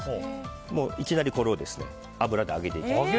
もういきなりこれを油で揚げていきます。